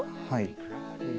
はい。